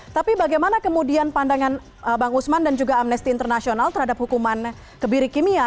tapi bagaimana kemudian pandangan bang usman dan juga amnesty international terhadap hukuman kebiri kimia